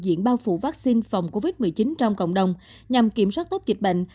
diện bao phủ vaccine phòng covid một mươi chín trong cộng đồng nhằm kiểm soát tốt dịch bệnh